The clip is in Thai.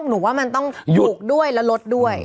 หนูว่ามันต้องอยู่ด้วยและลดด้วย